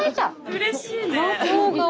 うれしいね！